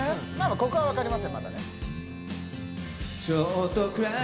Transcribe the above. ここはわかりませんまだね。